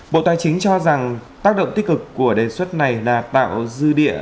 bộ tài chính cho rằng tác động tích cực của đề xuất này là tạo dư địa